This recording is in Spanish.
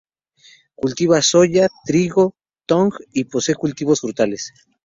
Cultiva soja, trigo, tung y posee cultivos frutales.